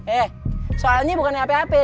eh soalnya bukan apa apa ya